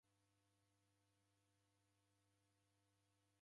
Mrede imbiri yapo